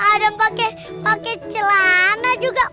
kadang pake celana juga